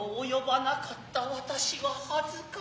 私は恥かしいよ。